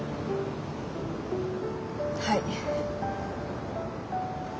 はい。